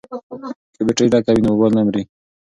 که بیټرۍ ډکه وي نو مبایل نه مري.